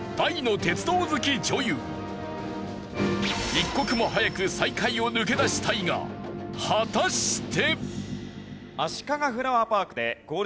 一刻も早く最下位を抜け出したいが果たして？